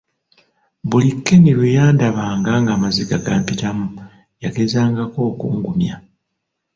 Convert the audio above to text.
Buli Ken lwe yandabanga ng'amaziga gampitamu yagezangako okungumya.